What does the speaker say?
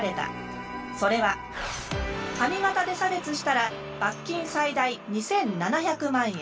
それは「髪型で差別したら罰金最大２，７００万円」。